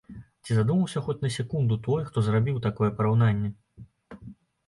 Ці задумаўся хоць на секунду той, хто зрабіў такое параўнанне?